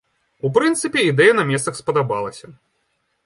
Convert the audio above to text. У прынцыпе, ідэя на месцах спадабалася.